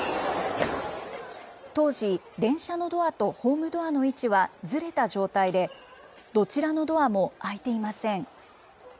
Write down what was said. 当時、電車のドアとホームドアの位置はずれた状態で、どちらのドアも開いていません。